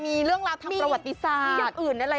มีเรื่องราวทำประวัติศาสตร์